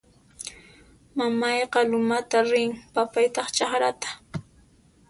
Mamayqa lumatan rin; papaytaq chakrata